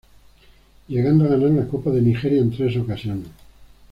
Llegando a ganar la Copa de Nigeria en tres ocasiones.